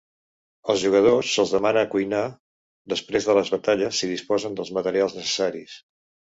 Als jugadors se'ls demana cuinar després de les batalles si disposen dels materials necessaris.